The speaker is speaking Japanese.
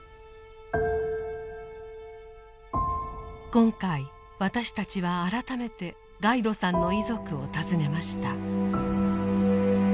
今回私たちは改めてガイドさんの遺族を訪ねました。